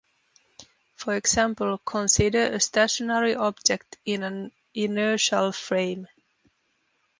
For example, consider a stationary object in an inertial frame.